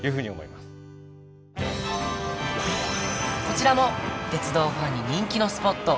こちらも鉄道ファンに人気のスポット